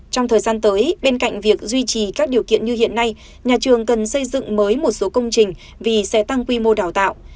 trong thời gian tới bên cạnh việc duy trì các điều kiện như hiện nay nhà trường cần xây dựng mới một số công trình vì sẽ tăng quy mô đào tạo